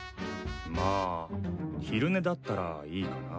まあ昼寝だったらいいかな。